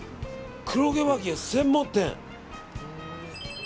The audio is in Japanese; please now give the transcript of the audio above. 黒毛和牛専門店。